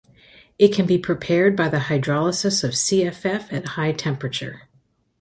It can be prepared by the hydrolysis of CfF at high temperature.